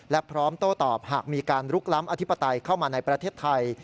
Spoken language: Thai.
และพร้อมโต้ตอบหากมีการลุกล้ำอธิปไตยเข้ามาในประเทศไทย